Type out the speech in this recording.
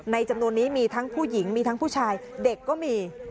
จำนวนนี้มีทั้งผู้หญิงมีทั้งผู้ชายเด็กก็มี